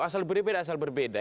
asal berbeda asal berbeda